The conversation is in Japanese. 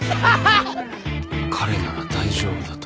彼なら大丈夫だと。